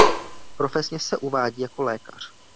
Profesně se uvádí jako lékař.